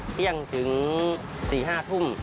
เที่ยงถึง๔๕ทุ่ม